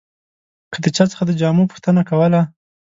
که د چا څخه د جامو پوښتنه کوله.